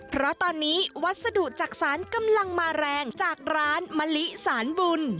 เพราะตอนนี้วัสดุจักษานกำลังมาแรงจากร้านมะลิสารบุญ